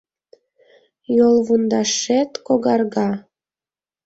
Йолвундашет когарга.